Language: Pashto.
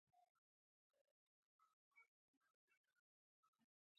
امیل لونګ د تور جانان غاړه کي